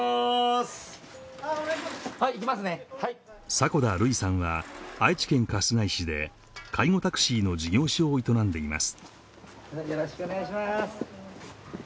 迫田塁さんは愛知県春日井市で介護タクシーの事業所を営んでいます